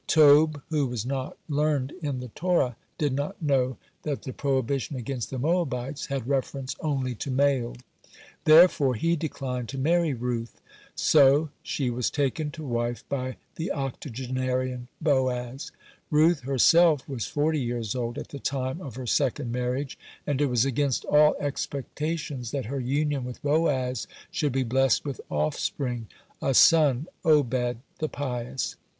Tob, who was not learned in the Torah, did not know that the prohibition against the Moabites had reference only to males. Therefore, he declined to marry Ruth. (64) So she was taken to wife (65) by the octogenarian (66) Boaz. Ruth herself was forty years old (67) at the time of her second marriage, and it was against all expectations that her union with Boaz should be blessed with offspring, a son Obed the pious.